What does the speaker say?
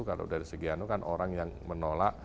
kalau dari segi anu kan orang yang menolak